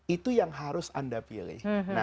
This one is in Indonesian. itu yang harus anda pilih